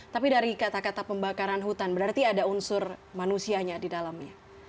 tapi dari kata kata pembakaran hutan berarti ada unsur manusianya di dalamnya